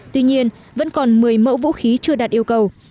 tuy nhiên vẫn còn một mươi mẫu vũ khí chưa đạt yêu cầu